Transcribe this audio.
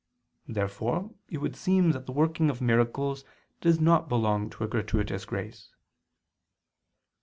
Therefore it would seem that the working of miracles does not belong to a gratuitous grace.